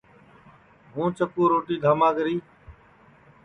ہوں چکُو روٹی دھاما کری